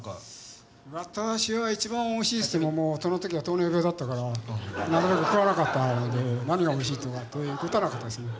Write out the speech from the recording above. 私は一番おいしいっていってももうその時は糖尿病だったからなるべく食わなかったので何がおいしいとかという事はなかったですね。